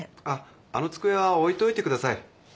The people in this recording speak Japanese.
あっあの机は置いといてください。